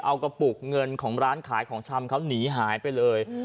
เอากระปุกเงินของร้านขายของชำเขาหนีหายไปเลย